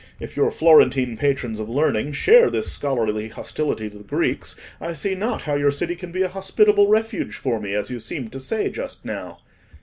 If your Florentine patrons of learning share this scholarly hostility to the Greeks, I see not how your city can be a hospitable refuge for me, as you seemed to say just now."